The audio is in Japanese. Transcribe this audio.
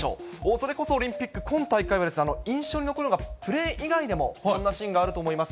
それこそオリンピック、今大会は印象に残るのが、プレー以外でもそんなシーンがあると思います。